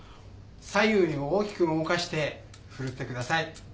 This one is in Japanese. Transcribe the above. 左右に大きく動かして振るってください。